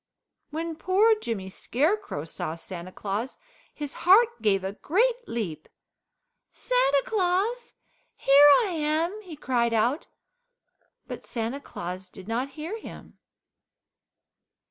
When poor Jimmy Scarecrow saw Santa Claus his heart gave a great leap. "Santa Claus! Here I am!" he cried out, but Santa Claus did not hear him.